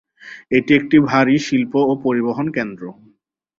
এটি একটি ভারী শিল্প ও পরিবহন কেন্দ্র।